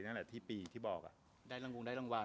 นั่นแหละที่ปีที่บอกอะ